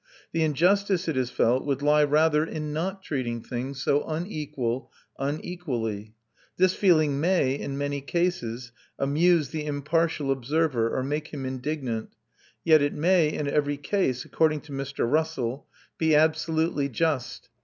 The injustice, it is felt, would lie rather in not treating things so unequal unequally. This feeling may, in many cases, amuse the impartial observer, or make him indignant; yet it may, in every case, according to Mr. Russell, be absolutely just.